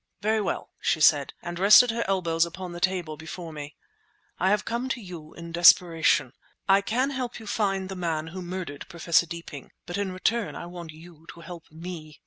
"Very well," she said, and rested her elbows upon the table before her. "I have come to you in desperation. I can help you to find the man who murdered Professor Deeping, but in return I want you to help me!"